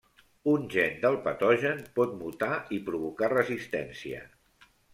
Un gen del patogen pot mutar i provocar resistència.